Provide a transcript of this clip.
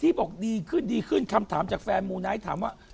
บอกดีขึ้นดีขึ้นคำถามจากแฟนมูไนท์ถามว่า